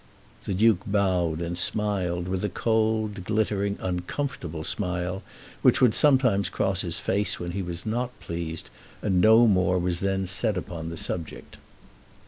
The Duke bowed, and smiled with a cold, glittering, uncomfortable smile which would sometimes cross his face when he was not pleased, and no more was then said upon the subject.